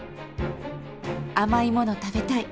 甘いもの食べたい。